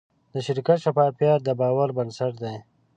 د شرکت شفافیت د باور بنسټ دی.